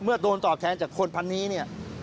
เมื่อโดนตอบแทนจากคนพันธุ์นี้เนี่ย